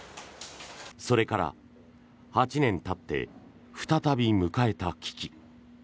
それから８年たって再び迎えた危機。